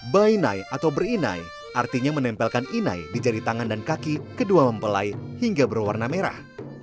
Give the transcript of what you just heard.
bainai atau berinai artinya menempelkan inai di jari tangan dan kaki kedua mempelai hingga berwarna merah